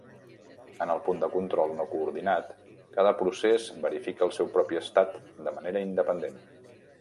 En el punt de control no coordinat, cada procés verifica el seu propi estat de manera independent.